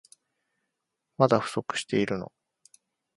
まだ不足してるの？